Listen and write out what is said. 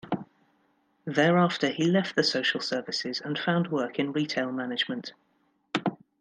Thereafter he left the social services and found work in retail management.